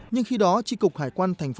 nhưng khi đó tri cục hải quan tp hcm